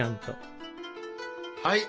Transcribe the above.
はい。